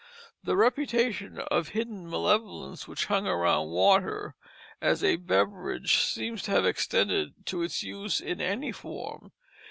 The reputation of hidden malevolence which hung around water as a beverage seems to have extended to its use in any form.